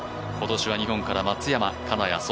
今年は日本から松山、金谷